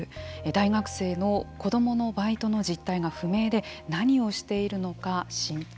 大学生の子どものバイトの実態が不明で何をしているのか心配。